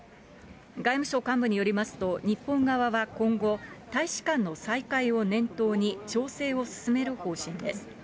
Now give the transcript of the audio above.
外務省幹部によりますと、日本側は今後、大使館の再開を念頭に調整を進める方針です。